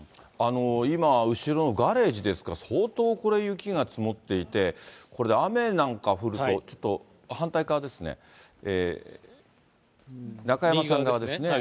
今、後ろのガレージですか、相当これ、雪が積もっていて、これで雨なんか降ると、ちょっと、反対側ですね、中山さん側ですね。